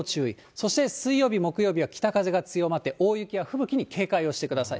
そして水曜日、木曜日は北風が強まって、大雪や吹雪に警戒をしてください。